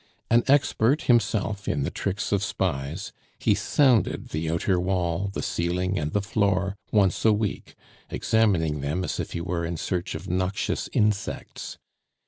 An expert himself in the tricks of spies, he sounded the outer wall, the ceiling, and the floor once a week, examining them as if he were in search of noxious insects.